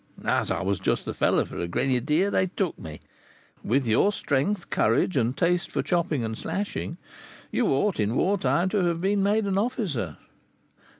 As I was just the fellow for a grenadier, they took me." "With your strength, courage, and taste for chopping and slashing, you ought, in war time, to have been made an officer."